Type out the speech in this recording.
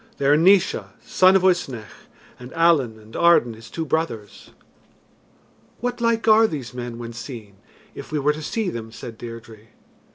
"They are Naois, son of Uisnech, and Allen and Arden his two brothers." "What like are these men when seen, if we were to see them?" said Deirdre.